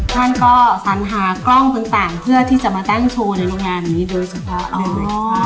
ท่านก็สัญหากล้องต่างเพื่อที่จะมาตั้งโชว์ในโรงงานนี้โดยเฉพาะ